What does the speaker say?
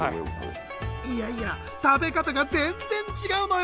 いやいや食べ方が全然違うのよ！